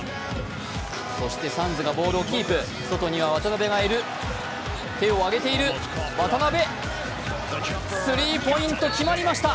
そしてサンズがボールをキープ、外には渡邊がいる、手を上げている、渡邊、スリーポイント、決まりました。